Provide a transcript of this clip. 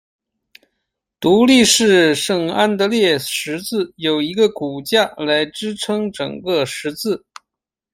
独立式圣安得烈十字有一个骨架来支撑整个十字。